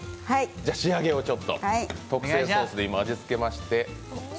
じゃ、仕上げをちょっと、特製ソースで味付けまして。